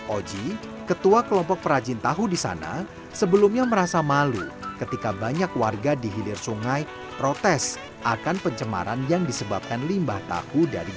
oji ketua kelompok perajin tahu di sana sebelumnya merasa malu ketika banyak warga di hilir sungai protes akan pencemaran yang disebabkan limbah tahu